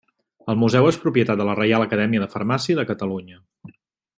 El museu és propietat de la Reial Acadèmia de Farmàcia de Catalunya.